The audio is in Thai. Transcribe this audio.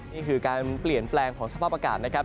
นี่คือการเปลี่ยนแปลงของสภาพอากาศนะครับ